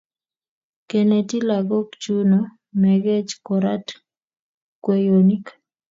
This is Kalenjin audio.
Kinetii lakok chuno mengech korat kweyonik.